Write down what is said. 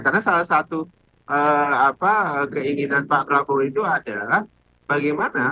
karena salah satu keinginan pak prabowo itu adalah bagaimana